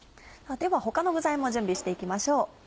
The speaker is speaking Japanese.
では他の具材も準備して行きましょう。